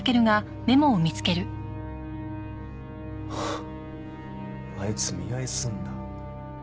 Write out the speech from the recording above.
ハッあいつ見合いするんだ。